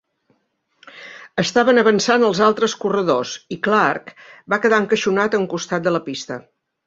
Estaven avançant als altres corredors, i Clarke va quedar encaixonat a un costat de la pista.